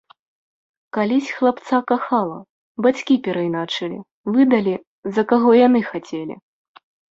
Калісь хлапца кахала, бацькі перайначылі, выдалі, за каго яны хацелі.